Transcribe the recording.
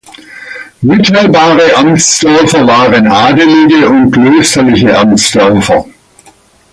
Mittelbare Amtsdörfer waren adelige und klösterliche Amtsdörfer.